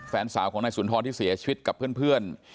แฟนสาวของนายสุนทรที่เสียชีวิตกับเพื่อน